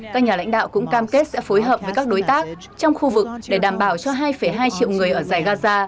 các nhà lãnh đạo cũng cam kết sẽ phối hợp với các đối tác trong khu vực để đảm bảo cho hai hai triệu người ở giải gaza